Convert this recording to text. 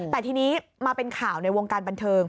แต่ทีนี้มาเป็นข่าวในวงการบันเทิง